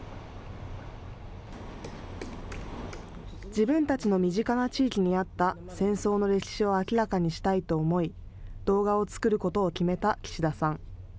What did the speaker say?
自分たちの身近な地域にあった戦争の歴史を明らかにしたいと思い動画を作ることを決めた岸田さん。